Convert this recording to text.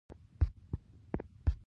دغه پروسه له شپږو عملي پړاوونو رغېدلې ده.